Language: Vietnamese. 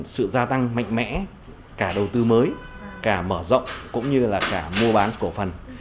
sự gia tăng mạnh mẽ cả đầu tư mới cả mở rộng cũng như là cả mua bán cổ phần